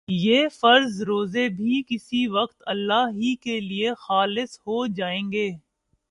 یہ فرض روزے بھی کسی وقت اللہ ہی کے لیے خالص ہو جائیں گے